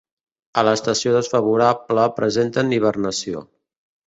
A l'estació desfavorable presenten hibernació.